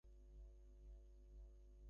কতক্ষণ অপেক্ষা করতে হবে?